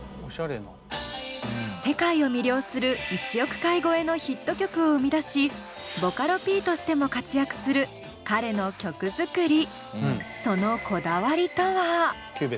世界を魅了する１億回超えのヒット曲を生み出しボカロＰとしても活躍する彼の曲作り。